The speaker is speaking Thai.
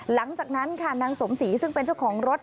หลังจากนั้นค่ะนางสมศรีซึ่งเป็นเจ้าของรถ